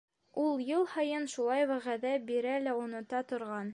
Ул йыл һайын шулай вәғәҙә бирә лә онота торған...